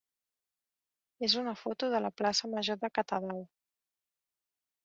és una foto de la plaça major de Catadau.